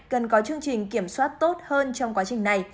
cần có chương trình kiểm soát tốt hơn trong quá trình này